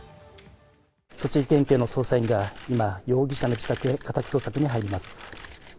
栃木県警の捜査員が今、容疑者の自宅へ家宅捜索に入ります。